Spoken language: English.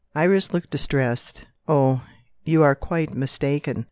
Iris looked distressed. "Oh, you are quite mistaken!